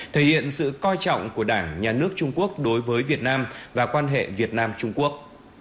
thể hiện sự coi trọng của đảng nhà nước trung quốc đối với việt nam và quan hệ việt nam trung quốc